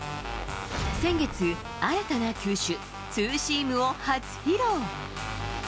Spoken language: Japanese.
先月、新たな球種、ツーシームを初披露。